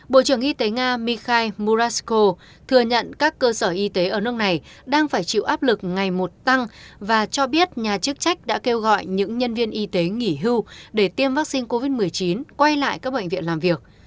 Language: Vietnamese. bộ trưởng y tế nga mikhai murasko thừa nhận các cơ sở y tế ở nước này đang phải chịu áp lực ngày một tăng và cho biết nhà chức trách đã kêu gọi những nhân viên y tế nghỉ hưu để tiêm vaccine covid một mươi chín quay lại các bệnh viện làm việc